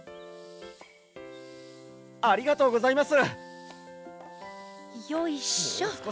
ありがとうございます！